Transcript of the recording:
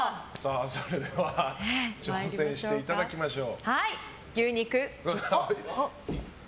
それでは挑戦していただきましょう。